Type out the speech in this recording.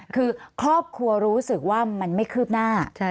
คือครอบครัวรู้สึกว่ามันไม่คืบหน้า